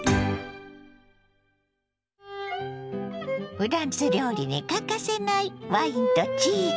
フランス料理に欠かせないワインとチーズ。